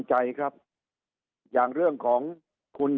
สุดท้ายก็ต้านไม่อยู่